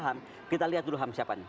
ham kita lihat dulu ham siapa nih oke